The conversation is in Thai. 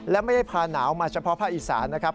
และไม่ได้พาหนาวมาเฉพาะภาคอีสานนะครับ